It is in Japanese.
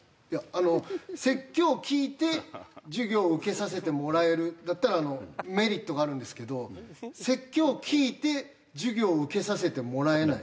あの説教を聞いて授業受けさせてもらえるだったらあのメリットがあるんですけど説教を聞いて授業受けさせてもらえない